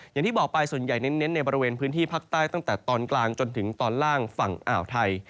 อย่างที่บอกไปส่วนใหญ่เน้นในบริเวณพื้นที่ภาคใต้ตั้งแต่ตอนกลางจนถึงตอนล่างฝั่งอ่าวไทย